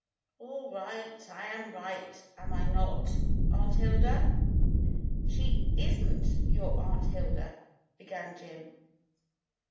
'" "All right. I am right, am I not, Aunt Hilda?" "She is n't your Aunt Hilda," began Jim.